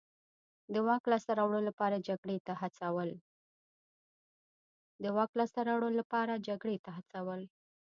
د واک لاسته راوړلو لپاره جګړې ته هڅول.